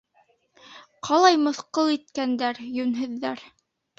Ҡалай мыҫҡыл иткәндәр, йүнһеҙҙәр...